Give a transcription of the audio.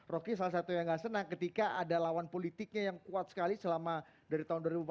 roky salah satu yang gak senang ketika ada lawan politiknya yang kuat sekali selama dari tahun dua ribu empat belas